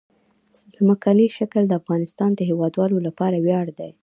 ځمکنی شکل د افغانستان د هیوادوالو لپاره ویاړ دی.